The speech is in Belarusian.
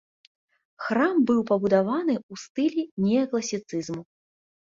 Храм быў пабудаваны ў стылі неакласіцызму.